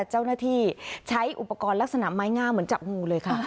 เจ้าหน้าที่ใช้อุปกรณ์ลักษณะไม้งามเหมือนจับงูเลยค่ะ